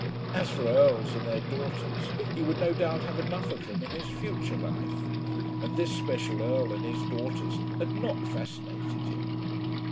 As for Earls and their daughters he would no doubt have enough of them in his future life, and this special Earl and his daughters had not fascinated him.